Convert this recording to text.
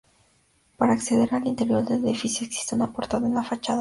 Para acceder al interior del edificio existe una portada en la fachada sur.